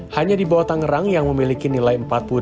hanya di bawah tangerang yang memiliki nilai empat puluh delapan